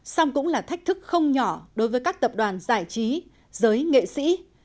song cũng là thách thức không nhỏ đối với các tập đoàn giải trí giới nghệ sĩ